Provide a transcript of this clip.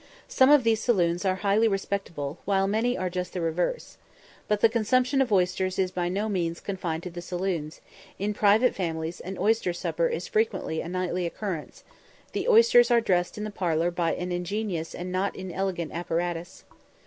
Some of these saloons are highly respectable, while many are just the reverse. But the consumption of oysters is by no means confined to the saloons; in private families an oyster supper is frequently a nightly occurrence; the oysters are dressed in the parlour by an ingenious and not inelegant apparatus.